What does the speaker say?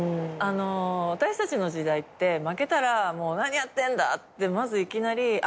私たちの時代って負けたら何やってんだってまずいきなりあれが駄目だった